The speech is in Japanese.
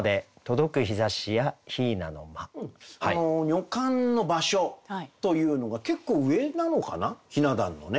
女官の場所というのが結構上なのかな雛壇のね。